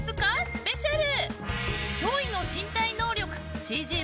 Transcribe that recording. スペシャル。